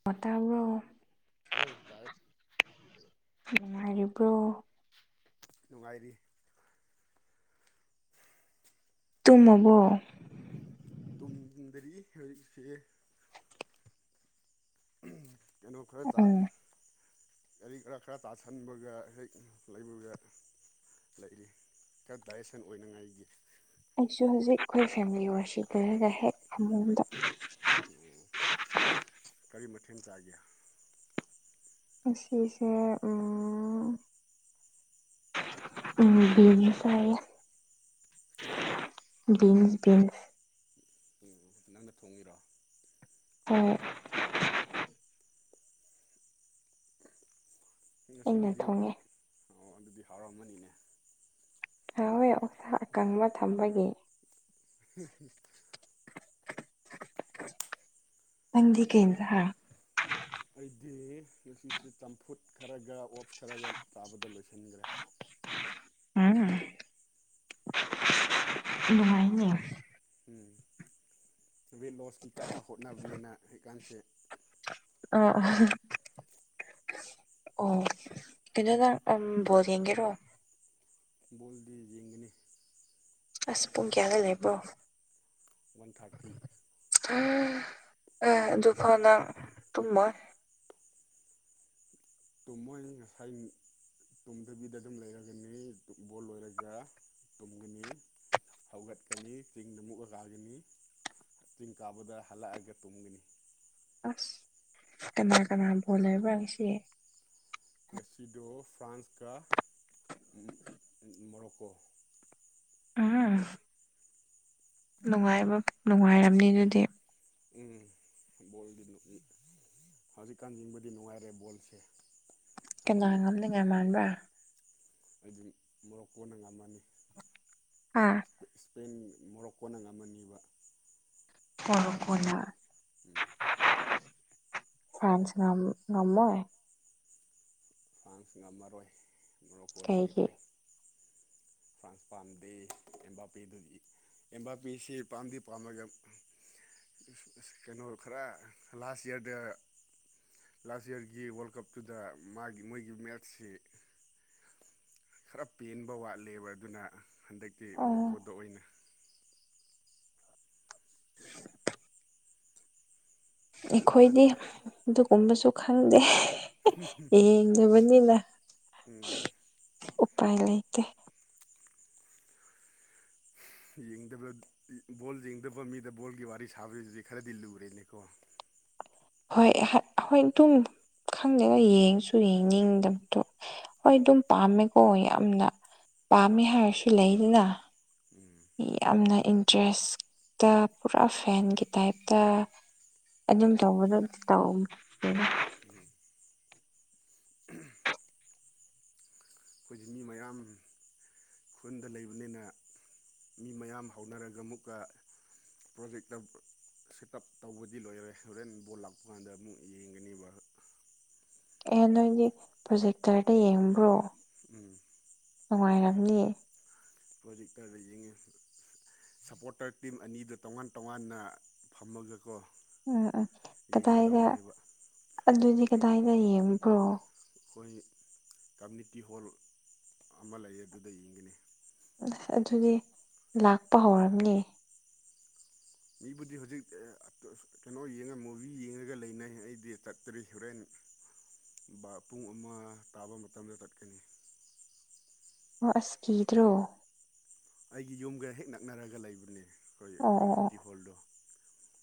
[unintelligible] ꯇꯥꯕꯔꯣ꯫ ꯅꯣꯏ ꯇꯥꯏꯌꯦ꯫ ꯅꯨꯡꯉꯥꯏꯔꯤꯕ꯭ꯔꯣ꯫ ꯅꯨꯡꯉꯥꯏꯔꯤ꯫ ꯇꯨꯝꯃꯕꯣ꯫ ꯇꯨꯡꯗꯔꯤ ꯍꯧꯖꯤꯛꯁꯦ꯫ ꯀꯩꯅꯣ ꯈꯔ ꯆꯥ ꯎꯝ ꯀꯔꯤ ꯈꯔ ꯈꯔ ꯇꯥꯁꯟꯕꯒ ꯍꯦꯛ ꯂꯩꯕꯒ ꯂꯩꯔꯤ꯫ ꯈꯔ ꯗꯥꯏꯖꯦꯁꯟ ꯑꯣꯏꯅꯉꯥꯏꯒꯤ꯫ ꯑꯩꯁꯨ ꯍꯧꯖꯤꯛ ꯑꯩꯈꯣꯏ ꯐꯦꯃꯤꯂꯤ ꯑꯣꯏꯔꯁꯤ ꯂꯩꯔꯒ ꯍꯦꯛ ꯐꯃꯨꯡꯗ ꯑꯣ ꯀꯔꯤ ꯃꯊꯦꯟ ꯆꯥꯒꯦ꯫ ꯉꯁꯤꯁꯦ ꯑꯨꯝ꯫ ꯎꯝ ꯕꯤꯟꯁ ꯆꯥꯏꯌꯦ꯫ ꯀꯔꯤ꯫ Beans beans. ꯎꯝ ꯅꯪꯅ ꯊꯣꯡꯉꯤꯔꯣ꯫ ꯑꯣ꯫ ꯑꯩꯅ ꯉꯁꯤꯒꯤꯗꯤ ꯊꯣꯡꯉꯦ ꯑꯣ ꯑꯗꯨꯗꯤ ꯍꯤꯎꯔꯝꯃꯅꯤꯅꯦ꯫ ꯍꯥꯎꯋꯦ ꯑꯣꯛ ꯁꯥ ꯑꯀꯪꯕ ꯊꯝꯕꯒꯤ꯫ ꯍꯨꯍꯨ ꯅꯪꯗꯤ ꯀꯩ ꯏꯟꯖꯍ ꯑꯩꯗꯤ ꯉꯁꯤꯁꯤ ꯆꯝꯐꯨꯠ ꯈꯔꯒ ꯑꯣꯠꯁ ꯈꯔꯒ ꯆꯥꯕꯗ ꯂꯣꯏꯁꯤꯟꯈ꯭ꯔꯦ ꯎꯝ ꯅꯨꯡꯉꯥꯏꯅꯦ ꯎꯝ ꯋꯦꯠ ꯂꯣꯁꯀꯤ ꯀꯟꯅ ꯍꯣꯠꯅꯕꯅꯤꯅ ꯍꯧꯖꯤꯀꯥꯟꯁꯦ ꯑ ꯑꯍꯍ ꯑꯣ ꯀꯩꯅꯣꯗ ꯑꯝ ꯕꯣꯜ ꯌꯦꯡꯒꯦꯔꯣ ꯕꯣꯜꯗꯤ ꯌꯦꯡꯒꯅꯤ ꯑꯁ ꯄꯨꯡ ꯀꯌꯥꯗ ꯂꯩꯕ꯭ꯔꯣ ꯋꯥꯟ ꯊꯥꯔꯇꯤ ꯑ ꯑꯗꯨꯐꯥꯎ ꯅꯪ ꯇꯨꯝꯃꯣꯏ ꯇꯨꯝꯃꯣꯏ ꯉꯁꯥꯏ ꯇꯨꯝꯗꯕꯤꯗ ꯑꯗꯨꯝ ꯂꯩꯔꯒꯅꯤ ꯕꯣꯜ ꯂꯣꯏꯔꯒ ꯇꯨꯝꯒꯅꯤ ꯍꯧꯒꯠꯀꯅꯤ ꯆꯤꯡꯗ ꯃꯨꯛ ꯑ ꯔꯥꯒꯅꯤ ꯆꯤꯡ ꯀꯥꯕꯗ ꯍꯜꯂꯛꯑꯒ ꯇꯨꯝꯒꯅꯤ ꯑꯁ ꯀꯅꯥ ꯀꯅꯥ ꯕꯣꯜ ꯂꯩꯕ꯭ꯔꯥ ꯉꯁꯤ ꯉꯁꯤꯗꯣ ꯐ꯭ꯔꯥꯟꯁꯀ ꯃꯣꯔꯣꯀꯣ ꯎꯝ ꯅꯨꯡꯉꯥꯏꯕ ꯅꯨꯡꯉꯥꯏꯔꯝꯅꯤ ꯑꯗꯨꯗꯤ ꯎꯝ ꯕꯣꯜꯗꯤ ꯅꯨꯛ ꯅꯤ ꯍꯧꯖꯤꯛꯀꯥꯟ ꯌꯦꯡꯕꯗꯤ ꯅꯨꯡꯉꯥꯏꯔꯦ ꯕꯣꯜꯁꯦ ꯀꯅꯥ ꯍꯥꯏꯗꯤ ꯉꯝꯅꯤꯉꯥꯏ ꯃꯥꯟꯕ꯭ꯔꯥ ꯑꯩꯗꯤ ꯃꯣꯔꯣꯛꯀꯣꯅ ꯉꯝꯃꯅꯤ ꯍꯥ ꯁꯄꯦꯟ ꯃꯣꯔꯣꯛꯀꯣꯅ ꯉꯝꯃꯅꯤꯕ ꯀꯣꯔꯣꯛꯀꯣꯅ ꯎꯝ ꯐ꯭ꯔꯥꯟꯁ ꯉꯝ ꯉꯝꯃꯣ ꯐ꯭ꯔꯥꯟꯁ ꯉꯝꯃꯔꯣꯏ ꯃꯣꯔꯣꯀꯣꯗ ꯀꯩꯒꯤ ꯂꯦꯞꯄꯦ [inaudible] ꯐ꯭ꯔꯥꯟꯁ ꯄꯥꯝꯗꯦ ꯑꯦꯝꯕꯥꯄꯦꯗꯨꯗꯤ ꯑꯦꯝꯕꯥꯄꯦꯁꯤ ꯄꯥꯝꯗꯤ ꯄꯥꯝꯂꯒ ꯏꯁ ꯏꯁ ꯀꯩꯅꯣ ꯈꯔ ꯂꯥꯁ ꯏꯌꯥꯔꯗ ꯂꯥꯁ ꯏꯌꯥꯔꯒꯤ ꯋꯥꯔꯜꯗ ꯀꯞꯇꯨꯗ ꯃꯥꯒꯤ ꯃꯣꯏꯒꯤ ꯃꯦꯠꯁꯁꯤ ꯈꯔ ꯄꯦꯟꯕ ꯋꯥꯠꯂꯦꯕ ꯑꯗꯨꯅ ꯍꯟꯗꯛꯛꯇꯤ ꯑꯣ ꯃꯣꯔꯣꯛꯀꯣꯗ ꯑꯣꯏꯅ [inaudible] ꯑꯩꯈꯣꯏꯗꯤ ꯑꯗꯨꯒꯨꯝꯕꯁꯨ ꯈꯪꯗꯦ ꯌꯦꯡꯗꯕꯅꯤꯅ ꯎꯝ ꯎꯄꯥꯏ ꯂꯩꯇꯦ ꯌꯦꯡꯗꯕ ꯕꯣꯜ ꯌꯦꯡꯗꯕ ꯃꯤꯗ ꯕꯣꯜꯒꯤ ꯋꯥꯔꯤ ꯁꯥꯕꯖꯤꯗꯤ ꯈꯔꯗꯤ ꯂꯨꯔꯦꯅꯦꯀꯣ ꯍꯣꯏ ꯑꯦꯍꯛ ꯑꯗꯨꯝ ꯈꯪꯗꯦꯗ ꯌꯦꯡꯁꯨ ꯌꯦꯡꯅꯤꯡꯗꯕꯗꯣ ꯍꯣꯏ ꯑꯗꯨꯝ ꯄꯥꯝꯃꯦꯀꯣ ꯌꯥꯝꯅ ꯄꯥꯝꯃꯦ ꯍꯥꯏꯔꯁꯨ ꯂꯩꯗꯅ ꯎꯝ ꯌꯥꯝꯅ ꯏꯟꯇꯔꯦꯁꯇ ꯄꯨꯔꯥ ꯐꯦꯟꯒꯤ ꯇꯥꯏꯞꯇ ꯑꯗꯨꯝ ꯇꯧꯕꯗꯣ ꯇꯧꯗꯦꯗ ꯎꯝ ꯑꯩꯈꯣꯏꯁꯦ ꯃꯤ ꯃꯌꯥꯝ ꯈꯨꯟꯗ ꯂꯩꯕꯅꯤꯅ ꯃꯤ ꯃꯌꯥꯝ ꯍꯧꯅꯔꯒ ꯑꯃꯨꯛꯀ ꯄ꯭ꯔꯣꯖꯦꯛꯇꯔ ꯁꯦꯠ ꯑꯞ ꯇꯧꯕꯗꯤ ꯂꯣꯏꯒꯔꯦ ꯍꯣꯔꯦꯟ ꯕꯣꯜ ꯂꯥꯛꯄ ꯀꯥꯟꯗ ꯑꯃꯨꯛ ꯌꯦꯡꯒꯅꯤꯕ ꯑꯦ ꯅꯣꯏꯗꯤ ꯄ꯭ꯔꯣꯖꯦꯛꯇꯔꯗ ꯌꯦꯡꯕ꯭ꯔꯣ ꯎꯝ ꯅꯨꯡꯉꯥꯏꯔꯝꯅꯤ ꯄꯔꯣꯖꯦꯛꯇꯔꯗ ꯌꯦꯡꯉꯦ ꯁꯞꯄꯣꯔꯇꯔ ꯇꯤꯝ ꯑꯅꯤꯗꯨ ꯇꯣꯉꯥꯟ ꯇꯣꯉꯥꯟꯅ ꯐꯝꯃꯒꯀꯣ ꯎꯝ ꯎꯝ ꯀꯗꯥꯏꯗ ꯌꯦꯡꯒꯗꯧꯕꯅꯦꯕ ꯑꯗꯨꯗꯤ ꯀꯗꯥꯏꯗ ꯌꯦꯡꯕ꯭ꯔꯣ ꯑꯩꯈꯣꯏ ꯀꯝꯃꯨꯅꯤꯇꯤ ꯍꯣꯜ ꯑꯃ ꯂꯩꯌꯦ ꯑꯗꯨꯗ ꯌꯦꯡꯒꯅꯤ ꯑꯁ ꯑꯗꯨꯗꯤ ꯂꯥꯛꯄ ꯍꯧꯔꯝꯅꯤ ꯃꯤꯕꯨꯗꯤ ꯍꯧꯖꯤꯛ ꯀꯩꯅꯣ ꯌꯦꯡꯉ ꯃꯨꯚꯤ ꯌꯦꯡꯉꯒ ꯂꯩꯅꯩ ꯑꯩꯗꯤ ꯆꯠꯇ꯭ꯔꯤ ꯍꯣꯔꯦꯟ [inaudible] ꯄꯨꯡ ꯑꯃ ꯇꯥꯕ ꯃꯇꯝꯗ ꯆꯠꯀꯅꯤ ꯑꯣ ꯑꯁ ꯀꯤꯗ꯭ꯔꯣ ꯑꯩꯒꯤ ꯌꯨꯝꯒ ꯍꯦꯛ ꯅꯛꯅꯔꯒ ꯂꯩꯕꯅꯦ ꯑꯩꯈꯣꯏ ꯀꯝꯃꯨꯅꯤꯇꯤ ꯍꯣꯜꯗꯣ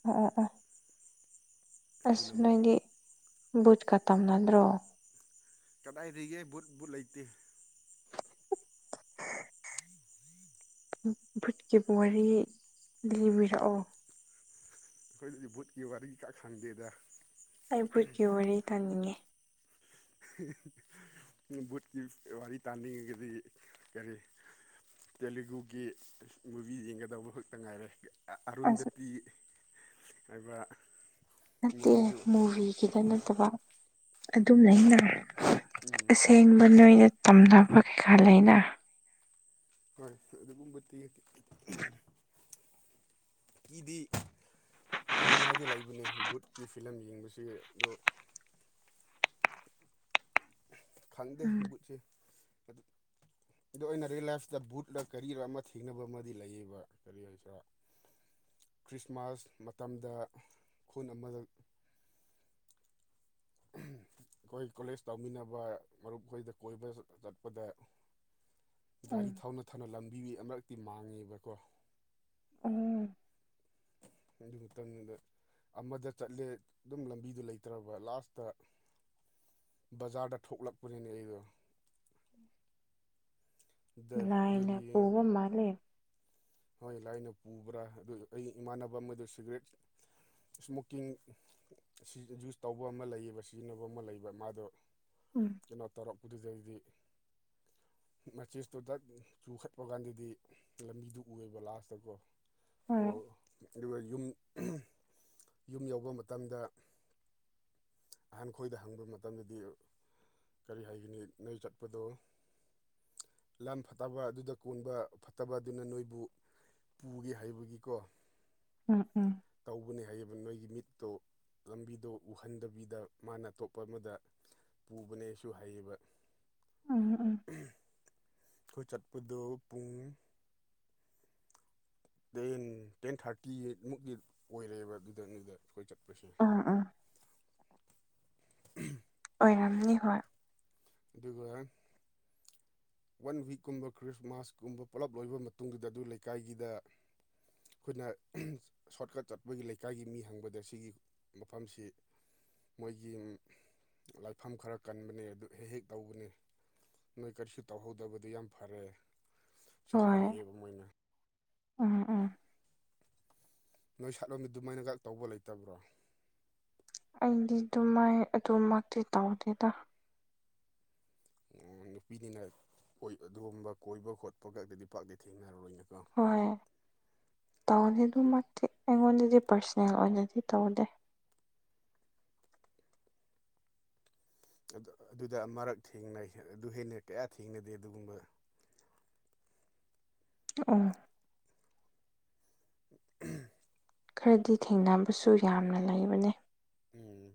ꯑ‌ꯣ ꯑ‌ꯣ ꯑ‌ꯣ ꯑꯁ ꯑꯗꯨꯅ ꯑꯃꯨꯛ ꯅꯣꯏꯗꯤ ꯕꯨꯠꯀ ꯇꯝꯅꯗ꯭ꯔꯣ ꯀꯗꯥꯏꯗꯒꯤꯒꯦ ꯕꯨꯠ ꯕꯨꯠ ꯂꯩꯇꯦ [unintelligible] ꯐꯚꯨꯠꯀꯤ ꯋꯥꯔꯤ ꯂꯤ ꯂꯤꯕꯤꯔꯛꯑꯣ ꯑꯩꯈꯣꯏ ꯑꯗꯨꯗꯤ ꯕꯨꯠꯀꯤ ꯋꯥꯔꯤ ꯀꯛ ꯈꯥꯟꯗꯦꯗ ꯑꯩ ꯕꯨꯠꯀꯤ ꯋꯥꯔꯤ ꯇꯥꯅꯤꯡꯉꯤ ꯕꯨꯠꯀꯤ ꯋꯥꯔꯤ ꯇꯥꯟꯅꯤꯡꯉꯒꯗꯤ ꯀꯔꯤ ꯇꯦꯂꯨꯒꯨꯒꯤ ꯃꯨꯚꯤ ꯌꯦꯡꯒꯗꯕ ꯈꯛꯇ ꯉꯥꯏꯔꯦ ꯑꯁ ꯑꯔꯨꯟꯗꯇꯤ ꯍꯥꯏꯕ ꯅꯠꯇꯦ ꯃꯨꯚꯤꯗꯨ ꯃꯨꯚꯤꯒꯤꯗ ꯅꯠꯇꯕ ꯑꯗꯨꯝꯩꯅ ꯎꯝ ꯑꯁꯦꯡꯕ ꯅꯣꯏꯅ ꯇꯝꯅꯕ ꯀꯩꯀꯥ ꯂꯩꯅ ꯍꯣꯏ ꯑꯗꯨ ꯃꯨꯝꯕꯇꯤ ꯀꯤꯗꯤ ꯀꯤꯅꯉꯥꯏꯗ ꯂꯩꯕꯅꯦ ꯕꯨꯠꯀꯤ ꯐꯤꯂꯝ ꯌꯦꯡꯁ ꯑꯗꯣ ꯈꯪꯗꯦ ꯎꯝ ꯕꯨꯠꯁꯦ ꯑꯗꯣ ꯑꯩꯅ ꯔꯤꯌꯦꯜ ꯂꯥꯏꯐꯁꯤꯗ ꯕꯨꯠ ꯀꯔꯤꯔ ꯑꯃ ꯊꯦꯡꯅꯕ ꯑꯃꯗꯤ ꯂꯩꯌꯦꯕ ꯀꯔꯤ ꯍꯥꯏꯁꯤꯔꯣ [inaudible] ꯈ꯭ꯔꯤꯁꯃꯥꯁ ꯃꯇꯝꯗ ꯈꯨꯟ ꯑꯃꯗ ꯑꯩꯈꯣꯏ ꯀꯣꯂꯦꯖ ꯇꯧꯃꯤꯟꯅꯕ ꯃꯔꯨꯞꯈꯣꯏꯗ ꯀꯣꯏꯕ ꯆꯠꯄꯗ [inaudible] ꯒꯥꯔꯤ ꯊꯧꯅ ꯊꯧꯅ ꯂꯝꯕꯤꯕꯤ ꯑꯃꯛꯇꯤ ꯃꯥꯡꯉꯦꯕꯀꯣ ꯎꯝ ꯑꯗꯨ ꯃꯇꯝꯗꯨꯗ ꯑꯃꯗ ꯆꯠꯂꯦ ꯑꯗꯨꯝ ꯂꯝꯕꯤꯗꯨꯣ ꯂꯩꯇ꯭ꯔꯕ ꯂꯥꯁꯇ ꯕꯖꯥꯔꯗ ꯊꯣꯛꯂꯛꯄꯅꯤꯅꯦ ꯑꯩꯗꯣ ꯗ ꯂꯥꯏꯅ ꯑꯗꯨꯒꯤ ꯄꯨꯕ ꯃꯥꯂꯦ ꯍꯣꯏ ꯂꯥꯏꯅ ꯄꯨꯕ꯭ꯔꯥ ꯑꯗꯨ ꯑꯩ ꯏꯃꯥꯟꯅꯕ ꯑꯃꯗ ꯁꯤꯒꯔꯦꯠ ꯏꯁꯃꯣꯀꯤꯡ ꯌꯨꯁ ꯇꯧꯕ ꯑꯃ ꯂꯩꯌꯦꯕ ꯁꯤꯖꯤꯟꯅꯕ ꯑꯃ ꯂꯩꯕ ꯃꯥꯗꯣ ꯎꯝ ꯅ‌ꯣꯠ ꯇꯧꯔꯣ ꯄꯨꯗꯨꯗꯗꯤ ꯃꯆꯦꯁꯇꯨ ꯗ ꯆꯨꯈꯠꯄ ꯀꯥꯟꯗꯗꯤ ꯂꯝꯕꯤꯗꯨ ꯎ ꯂꯥꯁꯇꯀꯣ ꯍꯣꯏ ꯑꯣ ꯑꯗꯨꯒ ꯌꯨꯝ ꯌꯨꯝ ꯌꯧꯕ ꯃꯇꯝꯗ ꯑꯍꯥꯟ ꯈꯣꯏꯗ ꯍꯪꯕ ꯃꯇꯝꯗꯗꯤ ꯀꯔꯤ ꯍꯥꯏꯒꯅꯤ ꯅꯣꯏ ꯆꯠꯄꯗꯣ ꯂꯝ ꯐꯠꯇꯕ ꯑꯗꯨꯗ ꯀꯣꯟꯕ ꯐꯠꯇꯕ ꯑꯗꯨꯅ ꯅꯣꯏꯕꯨ ꯄꯨꯒꯦ ꯍꯥꯏꯕꯒꯤꯀꯣ ꯎꯝ ꯎꯝ ꯇꯧꯕꯅꯦ ꯍꯥꯏꯌꯦꯕ ꯅꯣꯏꯒꯤ ꯃꯤꯠꯇꯣ ꯂꯝꯕꯤꯗꯣ ꯎꯍꯟꯗꯕꯤꯗ ꯗ ꯃꯥꯅ ꯑꯇꯣꯞꯄ ꯑꯃꯗ ꯄꯨꯕꯅꯦꯁꯨ ꯍꯩꯌꯦꯕ ꯎꯝ ꯎꯝ ꯈꯣꯏ ꯆꯠꯄꯗꯨ ꯄꯨꯡ ꯇꯦꯟ ꯇꯦꯟ ꯊꯥꯔꯇꯤꯃꯨꯛꯇꯤ ꯑꯣꯏꯔꯦꯕ ꯑꯗꯨꯗ ꯑꯗꯨꯗ ꯑꯩꯈꯣꯏ ꯆꯠꯄꯁꯦ ꯎꯝ ꯎꯝ ꯑꯣꯏꯔꯝꯅꯤ ꯍꯣꯏ ꯑꯗꯨꯒ ꯋꯥꯟ ꯋꯤꯛꯀꯨꯝꯕ ꯈ꯭ꯔꯤꯁꯃꯥꯁꯀꯨꯝꯕ ꯄꯨꯜꯂꯞ ꯂꯣꯏꯕ ꯃꯇꯨꯡꯗꯨꯗ ꯑꯗꯨ ꯂꯩꯀꯥꯏꯒꯤꯗ ꯑꯩꯈꯣꯏꯅ ꯁꯣꯔꯠꯀꯠ ꯆꯠꯄꯒꯤ ꯂꯩꯀꯥꯏꯒꯤ ꯃꯤ ꯍꯪꯕꯗ ꯁꯤꯒꯤ ꯃꯐꯝꯁꯤ ꯃꯣꯏꯒꯤ ꯂꯥꯏꯐꯝ ꯈꯔ ꯀꯟꯕꯅꯦ ꯑꯗꯨ ꯍꯦꯛ ꯍꯦꯛ ꯇꯧꯕꯅꯦ ꯅꯣꯏ ꯀꯔꯤꯁꯨ ꯇꯧꯍꯧꯗꯕꯗꯤ ꯌꯥꯝ ꯐꯔꯑꯦ ꯁꯨ ꯍꯣꯏ ꯍꯥꯏꯔꯛꯑꯦꯕ ꯃꯣꯏꯅ ꯎꯝ ꯎꯝ ꯅꯣꯏ ꯁꯥꯠꯂꯣꯝꯕꯤ ꯑꯗꯨꯃꯥꯏꯅꯒ ꯇꯧꯕ ꯂꯩꯇꯕ꯭ꯔꯣ ꯑꯩꯗꯤ ꯑꯗꯨꯥꯏ ꯑꯗꯨꯃꯛꯇꯤ ꯇꯧꯗꯦꯗ ꯅꯨꯄꯤꯅꯤꯅꯣꯏ ꯑꯗꯨꯒꯨꯝꯕ ꯀꯣꯏꯕ ꯈꯣꯠꯄ ꯈꯛꯇꯗꯤ ꯄꯥꯛꯇꯦ ꯊꯦꯡꯅꯔꯔꯣꯏꯅꯀꯣ ꯍꯣꯏ ꯇꯧꯅꯤ ꯑꯗꯨꯃꯛꯇꯤ ꯑꯩꯉꯣꯟꯗꯗꯤ ꯄꯥꯔꯁꯣꯅꯦꯜ ꯑꯣꯏꯅꯗꯤ ꯇꯧꯗꯦ ꯑꯗꯨꯗ ꯃꯔꯛ ꯊꯦꯡꯅꯩ ꯑꯗꯨ ꯍꯦꯟꯅ ꯀꯌꯥ ꯊꯦꯡꯅꯗꯦ ꯑꯗꯨꯒꯨꯝꯕ ꯑꯣ ꯎꯝ ꯈꯔꯗꯤ ꯊꯦꯡꯅꯕꯁꯨ ꯌꯥꯝꯅ ꯂꯩꯕꯅꯦ ꯎꯝ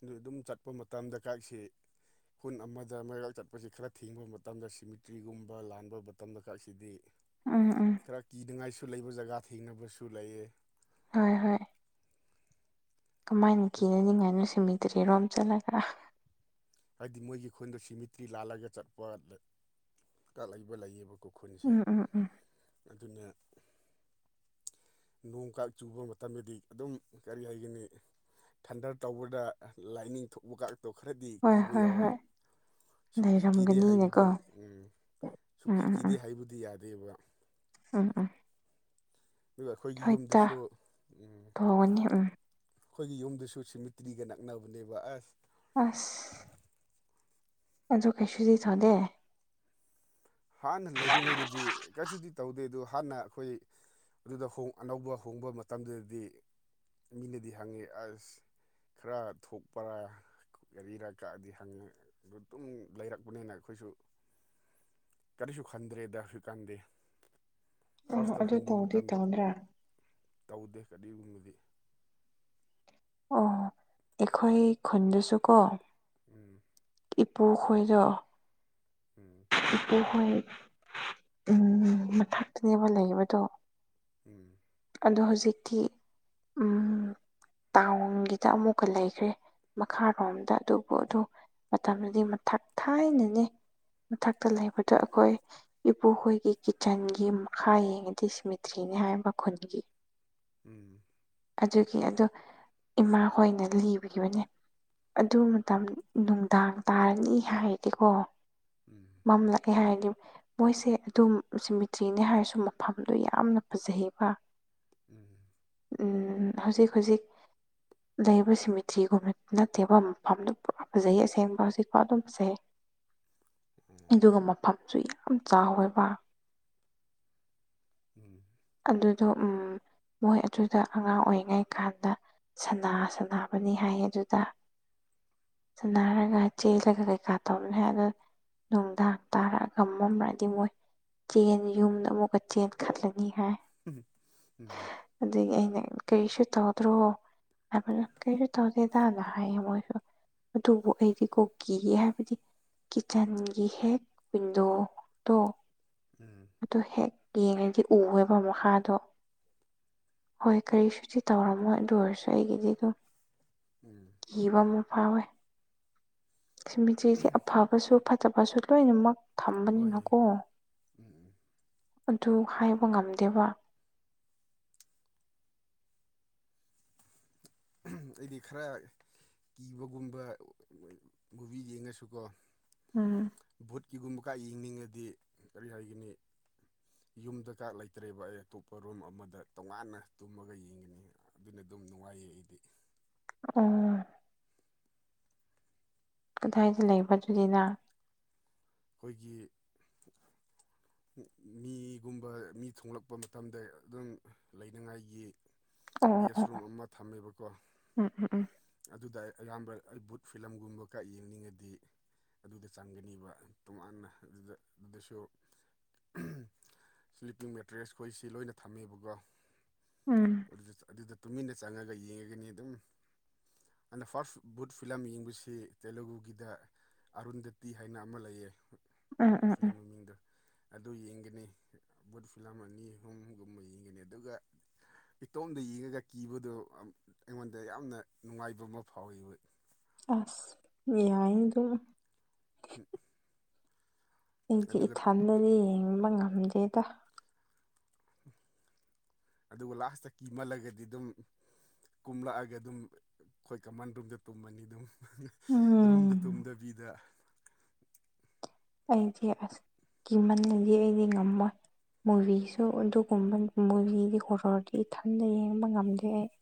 ꯑꯗꯨ ꯑꯗꯨꯝ ꯆꯠꯄ ꯃꯇꯝꯗ ꯀꯥꯏꯁꯤ ꯈꯨꯟ ꯑꯃꯗ ꯃꯩꯔꯥꯛ ꯆꯠꯄꯁꯤ ꯈꯔ ꯊꯤꯡꯕ ꯃꯇꯝꯗ ꯁꯤꯃꯤꯇ꯭ꯔꯤꯒꯨꯝꯕ ꯂꯥꯟꯕ ꯃꯇꯝꯗ ꯈꯛꯁꯤꯗꯤ ꯎꯝ ꯎꯝ ꯈꯔ ꯀꯤꯅꯤꯡꯉꯥꯏꯁꯨ ꯂꯩꯕ ꯖꯒꯥ ꯊꯦꯡꯅꯕꯁꯨ ꯂꯩꯑ ꯍꯣꯏ ꯍꯣꯏ ꯀꯃꯥꯏꯅ ꯀꯤꯅꯅꯤꯡꯉꯥꯏꯅꯣ ꯁꯤꯕꯤꯗ꯭ꯔꯦꯔꯣꯝ ꯆꯠꯂꯒ ꯍꯥꯏꯗꯤ ꯃꯣꯏꯒꯤ ꯑꯩꯈꯣꯟꯗꯣ ꯁꯤꯃꯤꯇ꯭ꯔꯤ ꯂꯥꯜꯂꯒ ꯆꯠꯄ ꯂꯩꯕ ꯂꯩꯌꯦꯕꯣ ꯈꯨꯈꯨꯜꯁꯦ ꯎꯝ ꯎꯝ ꯎꯝ ꯑꯗꯨꯅ ꯅꯣꯡ ꯀꯥ ꯆꯨꯕ ꯃꯇꯝꯗꯗꯤ ꯑꯗꯨꯝ ꯀꯔꯤ ꯍꯥꯏꯒꯅꯤ ꯊꯟꯗꯔ ꯇꯧꯕꯗ ꯂꯥꯏꯅꯤꯡ ꯊꯣꯛꯄꯒꯇꯣ ꯈꯔꯗꯤ ꯍꯣꯏ ꯀꯤꯕ ꯍꯣꯏ ꯌꯥꯎꯋꯦ ꯍꯣꯏ ꯁꯨꯛꯀꯤ ꯀꯤꯗꯦ ꯍꯥꯏꯕꯨꯗꯤ ꯂꯩꯔꯝꯒꯅꯤꯅꯦꯀꯣ ꯎ ꯎꯝ ꯁꯨꯛꯀꯤ ꯎꯝ ꯀꯤꯗꯦ ꯎꯝ ꯍꯥꯏꯕꯨꯗꯤ ꯌꯥꯗꯦꯕ ꯎꯝ ꯑꯥ ꯑꯗꯨꯒ ꯑꯩꯈꯣꯏꯒꯤ ꯌꯨꯝꯗꯨꯁꯨ ꯇꯧꯒꯅꯤ ꯎꯝ ꯑꯩꯈꯣꯏꯒꯤ ꯌꯨꯝꯗꯁꯨ ꯁꯤꯃꯤꯇ꯭ꯔꯤꯒ ꯅꯛꯅꯕꯅꯦꯕ ꯑꯁ ꯑꯁ ꯑꯖ ꯀꯩꯁꯨꯗꯗꯤ ꯊꯅꯦꯦ ꯍꯥꯟꯅ ꯂꯩꯔꯤꯉꯩꯗꯗꯤ ꯀꯁꯨꯗꯤ ꯇꯧꯗꯦ ꯑꯗꯨ ꯍꯥꯟꯅ ꯑꯩꯈꯣꯏ ꯑꯗꯨꯗꯣꯡ ꯑꯅꯧꯕ ꯍꯣꯡꯕ ꯃꯇꯝꯗꯨꯗꯗꯤ ꯃꯤꯅꯗꯤ ꯍꯪꯉꯤ ꯑꯁ ꯈꯔ ꯊꯣꯛꯄꯔꯥ ꯒꯥꯔꯤꯔ ꯀꯛꯑꯗꯤ ꯍꯪꯉꯦ ꯑꯗꯨ ꯇꯝ ꯂꯩꯔꯛꯄꯅꯤꯅ ꯑꯩꯈꯣꯏꯁꯨ ꯀꯔꯤꯁꯨ ꯈꯟꯗ꯭ꯔꯦꯗꯁꯨ ꯀꯟꯗꯦ ꯑꯣ ꯐꯥꯔꯁꯇ ꯑꯗꯨ ꯍꯣꯡꯕ ꯇꯧꯗꯤ ꯃꯇꯝꯗ ꯇꯧꯗ꯭ꯔꯥ ꯇꯧꯗꯦ ꯀꯔꯤꯒꯨꯝꯕꯗꯤ ꯑꯣ ꯑꯩꯈꯣꯏ ꯈꯨꯟꯗꯁꯨ ꯀꯣ ꯎꯝ ꯏꯄꯨ ꯈꯣꯏꯗꯣ ꯎꯝ ꯏꯄ ꯍꯣꯏ ꯎꯝ ꯃꯊꯛꯇꯅꯦꯕ ꯂꯩꯕꯗꯣ ꯎꯝ ꯑꯗꯣ ꯍꯧꯖꯤꯛꯇꯤ ꯇꯥꯎꯟꯒꯤꯗ ꯑꯃꯨꯛꯀ ꯂꯩꯈ꯭ꯔꯦ ꯃꯈꯥꯔꯣꯝꯗ ꯑꯗꯨꯕꯨ ꯑꯗꯨ ꯃꯇꯝꯗꯨꯗꯤ ꯃꯊꯛ ꯊꯥꯏꯅꯅꯦ ꯃꯊꯛꯇ ꯂꯩꯕꯗꯣ ꯑꯩꯈꯣꯏ ꯏꯄꯨꯍꯣꯏꯒꯤ ꯀꯤꯠꯆꯟꯒꯤ ꯃꯈꯥ ꯌꯦꯡꯉꯗꯤ ꯁꯃꯤꯇ꯭ꯔꯤꯅꯤ ꯍꯥꯏ ꯃꯈꯟꯒꯤ ꯎꯝ ꯑꯗꯨꯒꯤ ꯑꯗꯣ ꯏꯃꯥ ꯍꯣꯏꯅ ꯂꯤꯈꯤꯕꯅꯤ ꯑꯗꯨ ꯃꯇꯝ ꯅꯨꯡꯗꯥꯡ ꯇꯥꯔꯅꯤ ꯍꯥꯏꯔꯗꯤꯀꯣ ꯎꯝ ꯐꯝꯂꯛꯑꯦ ꯍꯥꯏꯔꯗꯤ ꯃꯣꯏꯁꯦ ꯑꯗꯨꯝ ꯁꯤꯃꯤꯇ꯭ꯔꯤꯅꯦ ꯍꯥꯏꯔꯁꯨ ꯃꯐꯝꯗꯣ ꯌꯥꯝꯅ ꯐꯖꯩꯕ ꯎꯝ ꯍꯧꯖꯤꯛ ꯍꯧꯖꯤꯛ ꯂꯩꯕ ꯁꯤꯃꯤꯇ꯭ꯔꯤꯒꯨꯝꯕ ꯅꯠꯇꯦꯕ ꯃꯐꯝꯗꯨ ꯄꯨꯔꯥ ꯐꯖꯩ ꯑꯁꯦꯡꯕ ꯍꯧꯖꯤꯛꯀꯥꯎ ꯑꯗꯨꯝ ꯐꯖꯩ ꯎꯝ ꯑꯗꯨꯒ ꯃꯐꯝꯁꯨ ꯌꯥꯝ ꯆꯥꯎꯋꯦꯕ ꯎꯝ ꯑꯗꯨꯗꯣ ꯃꯣꯏ ꯑꯗꯨꯗ ꯑꯉꯥꯡ ꯑꯣꯏꯔꯤꯉꯩ ꯀꯥꯟꯗ ꯁꯅꯥ ꯁꯅꯥꯕꯅꯤ ꯍꯥꯏꯌꯦ ꯑꯗꯨꯗ ꯁꯅꯔꯒ ꯆꯦꯜꯂꯒ ꯀꯩꯀꯥ ꯇꯧꯅꯤ ꯍꯥꯏ ꯑ ꯅꯨꯡꯗꯥꯡ ꯇꯥꯔꯛꯑꯒ ꯃꯝꯔꯛꯑꯗꯤ ꯃꯣꯏ ꯆꯦꯟ ꯌꯨꯝꯗ ꯑꯃꯨꯛꯀ ꯆꯦꯟ ꯈꯠꯂꯦ ꯍꯥꯏ ꯎꯝ ꯑꯗꯒꯤ ꯑꯩꯅ ꯀꯔꯤꯁꯨ ꯇꯧꯗ꯭ꯔꯣ ꯀꯁꯨ ꯇꯧꯗꯦꯗꯅ ꯍꯥꯏ ꯃꯣꯏꯁꯨ ꯑꯗꯨꯕꯨ ꯑꯩꯗꯤ ꯀꯤꯑꯦ ꯍꯥꯏꯕꯗꯤ ꯀꯤꯠꯆꯟꯒꯤ ꯍꯦꯛ ꯋꯤꯟꯗꯣ ꯇꯣ ꯎꯝ ꯑꯗꯨ ꯍꯦꯛ ꯌꯦꯡꯉꯩꯗꯤ ꯎꯑꯦꯕ ꯃꯈꯥꯗꯣ ꯍꯣꯏ ꯀꯔꯤꯁꯨꯗꯤ ꯇꯧꯔꯝꯃꯣ ꯑꯗꯨ ꯑꯣꯏꯔꯁꯨ ꯑꯩꯒꯤꯗꯤꯀꯣ ꯎꯝ ꯀꯤꯕ ꯑꯃ ꯐꯥꯎꯋꯦ ꯁꯤꯃꯤꯁꯦ ꯑꯐꯕꯁꯨ ꯐꯇꯕꯁꯨ ꯂꯣꯏꯅꯃꯛ ꯍꯣꯏ ꯊꯝꯕꯅꯤꯅꯀꯣ ꯎꯝ ꯑꯗꯨ ꯍꯥꯏꯕ ꯉꯝꯗꯦꯕ ꯑꯩꯗꯤ ꯈꯔ ꯀꯤꯕꯒꯨꯝꯕ ꯃꯨꯚ ꯌꯦꯡꯉꯁꯨꯀꯣ ꯎꯝ ꯚꯨꯠꯀꯤꯒꯨꯝꯕ ꯀꯥ ꯌꯦꯡꯅꯤꯡꯉꯗꯤ ꯀꯔꯤ ꯍꯥꯏꯒꯅꯤ ꯌꯨꯝꯗ ꯀꯥ ꯂꯩꯇ꯭ꯔꯦꯕ ꯑꯩ ꯑꯇꯣꯞꯄ ꯔꯨꯝ ꯑꯃꯗ ꯇꯣꯉꯥꯟꯅ ꯇꯨꯝꯃꯒ ꯌꯦꯡꯒꯅꯤ ꯑꯗꯨꯅ ꯑꯗꯨꯝ ꯅꯨꯡꯉꯥꯏꯌꯦ ꯑꯩꯗꯤ ꯑꯣ ꯀꯗꯥꯏꯗ ꯂꯩꯕꯒꯤꯅꯤꯅ ꯑꯩꯈꯣꯏꯒꯤ [inaudible] ꯃꯤꯒꯨꯝꯕ ꯃꯤ ꯊꯣꯡꯂꯛꯄ ꯃꯇꯝꯗ ꯑꯗꯨꯝ ꯂꯩꯅꯤꯡꯉꯥꯏꯒꯤ ꯑꯣ ꯒꯦꯁ ꯑꯣ ꯑꯣ ꯔꯨꯝ ꯑꯃ ꯊꯝꯃꯦꯕꯀꯣ ꯎꯝ ꯎꯝ ꯎꯝ ꯑꯗꯨꯗ ꯑꯩ ꯑꯌꯥꯝꯕ ꯑꯩ ꯕꯨꯠ ꯐꯤꯂꯝꯒꯨꯝꯕꯒ ꯌꯦꯡꯅꯤꯡꯉꯗꯤ ꯑꯗꯨꯗ ꯆꯪꯒꯅꯤꯕ ꯇꯣꯉꯥꯟꯅ ꯑꯗꯨꯗ ꯑꯗꯨꯗꯁꯨ ꯁ꯭ꯂꯤꯞꯄꯤꯡ ꯃꯦꯇꯔꯤꯁ ꯑꯩꯈꯣꯏ ꯁꯤ ꯂꯣꯏꯅ ꯊꯝꯃꯦꯕꯀꯣ ꯎꯝ ꯑꯗꯨ ꯑꯗꯨꯗ ꯇꯨꯃꯤꯟꯅ ꯆꯪꯉꯒ ꯌꯦꯡꯉꯒꯅꯤ ꯑꯗꯨꯝ ꯑꯩꯅ ꯐꯥꯔꯁ ꯕꯨꯠ ꯐꯤꯂꯝ ꯌꯦꯡꯕꯁꯤ ꯇꯦꯂꯨꯒꯨꯒꯤꯗ ꯑꯥꯔꯨꯟ ꯗꯦꯇꯤ ꯍꯥꯏꯅ ꯑꯃ ꯂꯩꯌꯦ ꯎꯝ ꯎꯝ ꯎꯝ ꯎꯝ ꯐꯤꯂꯝ ꯎꯝ ꯃꯃꯤꯡꯗꯣ ꯑꯗꯨ ꯌꯦꯡꯒꯅꯤ ꯕꯨꯠ ꯐꯤꯂꯝ ꯑꯅꯤ ꯑꯍꯨꯝꯒꯨꯝꯕ ꯌꯦꯡꯒꯅꯤ ꯑꯗꯨꯒ ꯏꯇꯣꯝꯗ ꯌꯦꯡꯉꯒ ꯀꯤꯕꯗꯣ ꯑꯩꯉꯣꯟꯗ ꯌꯥꯝꯅ ꯅꯨꯡꯉꯥꯏꯕ ꯑꯃ ꯐꯥꯎꯋꯤ ꯑꯁ ꯌꯥꯏ ꯑꯗꯨ [inaudible] ꯑꯩꯗꯤ ꯑꯗꯨꯒ ꯏꯊꯟꯅꯤ ꯌꯦꯡꯕ ꯉꯝꯗꯦꯗ ꯑꯗꯨꯒ ꯂꯥꯁꯇ ꯀꯤꯃꯜꯂꯒꯗꯤ ꯑꯗꯨꯝ ꯀꯨꯝꯂꯛꯑꯒ ꯑꯗꯨꯝ ꯑꯩꯈꯣꯏ ꯀꯃꯥꯟ ꯔꯨꯝꯗ ꯇꯨꯝꯃꯅꯤ ꯑꯗꯨꯝ ꯔꯨꯝꯗ ꯎꯝ ꯇꯨꯝꯗꯕꯤꯗ ꯑꯩꯗꯤ ꯑꯁ ꯀꯤꯃꯟꯂꯗꯤ ꯑꯩꯗꯤ ꯉꯝꯃꯣꯏ ꯃꯨꯔꯤꯁꯨ ꯑꯗꯨꯒꯨꯝꯕ ꯃꯨꯔꯤꯗꯤ ꯍꯣꯔꯣꯔꯗꯤ ꯏꯊꯟꯗ ꯌꯦꯡꯕ ꯉꯝꯗꯦ ꯑꯩ